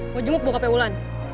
gue juga mau ke rumah sakit